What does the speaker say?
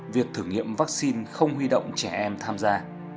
việc thử nghiệm vaccine không huy động trẻ em tham gia